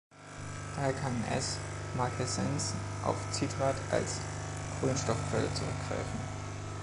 Daher kann „S. marcescens“ auf Citrat als Kohlenstoffquelle zurückgreifen.